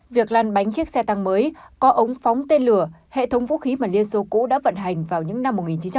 việc lăn bánh chiếc xe tăng mới có ống phóng tên lửa hệ thống vũ khí mà liên xô cũ đã vận hành vào những năm một nghìn chín trăm bảy mươi